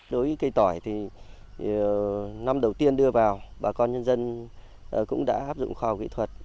đối với cây tỏi thì năm đầu tiên đưa vào bà con nhân dân cũng đã áp dụng khoa học kỹ thuật